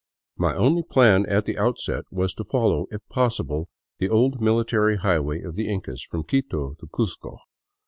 My only plan, at the outset, was to follow, if possible, the old military highway of the Incas from Quito to Cuzco.